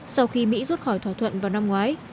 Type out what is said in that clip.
sau khi mỹ rút khỏi thỏa thuận vào năm ngoái